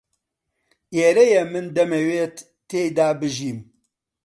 ئێرەیە من دەمەوێت تێیدا بژیم.